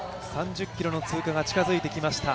３０ｋｍの通過が近づいてきました。